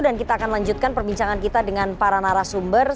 dan kita akan lanjutkan perbincangan kita dengan para narasumber